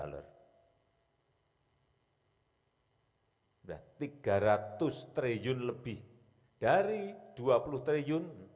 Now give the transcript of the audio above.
sudah tiga ratus triliun lebih dari dua puluh triliun